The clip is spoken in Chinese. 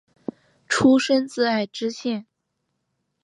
出身自爱知县。